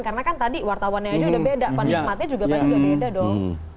karena kan tadi wartawannya aja udah beda penikmatnya juga pasti udah beda dong